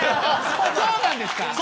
そうなんですか？